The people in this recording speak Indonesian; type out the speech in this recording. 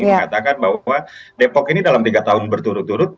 dikatakan bahwa depok ini dalam tiga tahun berturut turut